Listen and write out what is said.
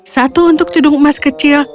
satu untuk cedung emas kecil